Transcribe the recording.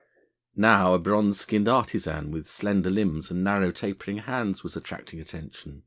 Now a bronze skinned artisan with slender limbs and narrow tapering hands was attracting attention.